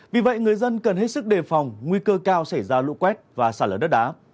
vì vậy người dân cần hết sức đề phòng nguy cơ cao xảy ra lũ quét và xả lở đất đá